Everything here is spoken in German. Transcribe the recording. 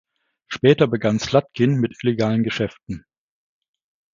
Später begann Slatkin mit illegalen Geschäften.